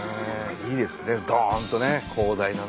いいですねドンとね広大なね。